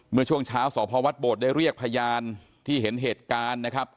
เมื่อช่วงเช้าสพวัดโบดได้เรียกพยานที่เห็นเหตุการณ์นะครับ